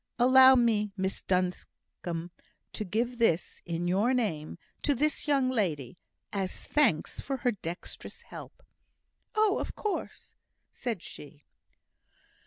"Allow me, Miss Duncombe, to give this in your name to this young lady, as thanks for her dexterous help." "Oh of course," said she.